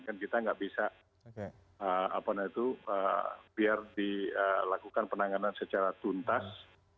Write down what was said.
kan kita nggak bisa biar dilakukan penanganan secara tuntas